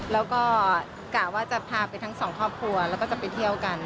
แล้วก็กะว่าจะพาไปทั้งสองครอบครัวแล้วก็จะไปเที่ยวกัน